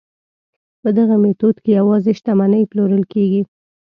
په دغه میتود کې یوازې شتمنۍ پلورل کیږي.